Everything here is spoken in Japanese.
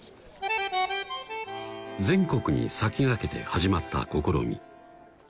全国に先駆けて始まった試み